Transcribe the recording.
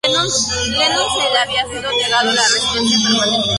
Lennon se le había sido negado la residencia permanente.